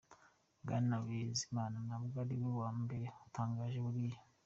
Bwana Bizimana ntabwo ari we wa mbere utangaje biriya.